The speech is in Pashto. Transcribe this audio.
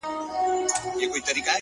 پرمختګ د عذرونو په پرېښودلو پیلېږي!